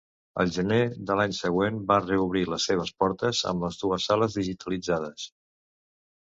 El gener de l'any següent van reobrir les seves portes amb les dues sales digitalitzades.